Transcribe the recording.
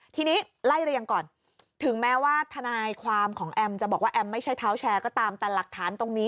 ทีนี้ไล่เรียงก่อนถึงแม้ว่าทนายความของแอมจะบอกว่าแอมไม่ใช่เท้าแชร์ก็ตามแต่หลักฐานตรงนี้